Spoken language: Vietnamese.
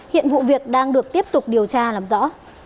hiện vụ việc đang được tiếp tục điều tra làm rõ